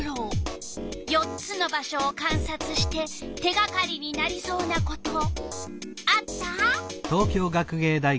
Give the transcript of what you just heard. ４つの場所をかんさつして手がかりになりそうなことあった？